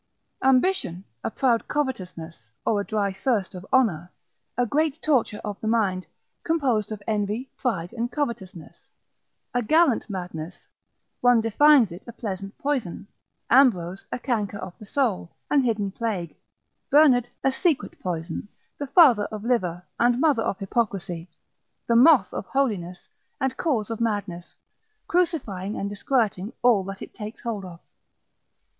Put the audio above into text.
Ambition, a proud covetousness, or a dry thirst of honour, a great torture of the mind, composed of envy, pride, and covetousness, a gallant madness, one defines it a pleasant poison, Ambrose, a canker of the soul, an hidden plague: Bernard, a secret poison, the father of livor, and mother of hypocrisy, the moth of holiness, and cause of madness, crucifying and disquieting all that it takes hold of.